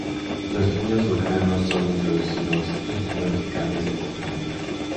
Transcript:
Los niños vulcanos son introducidos en la lógica desde temprana edad.